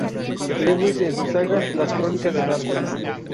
Lewis en su saga "Las Crónicas de Narnia".